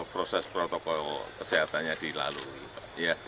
proses protokol kesehatannya dilalui